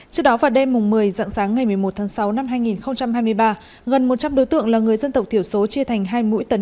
trước đó vào đêm mùng một mươi dặn sáng ngày một mươi một tháng sáu năm hai nghìn hai mươi ba